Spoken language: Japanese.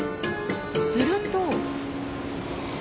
すると。